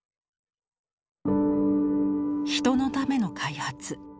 人のための開発